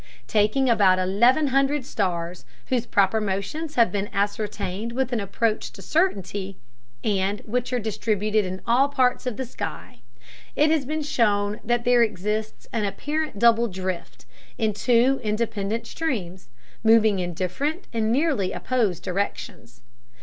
Taking about eleven hundred stars whose proper motions have been ascertained with an approach to certainty, and which are distributed in all parts of the sky, it has been shown that there exists an apparent double drift, in two independent streams, moving in different and nearly opposed directions.